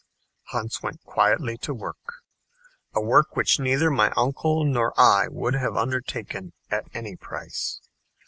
Hans went quietly to work a work which neither my uncle nor I would have undertaken at any price.